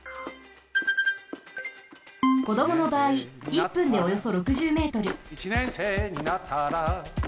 こどものばあい１分でおよそ６０ｍ。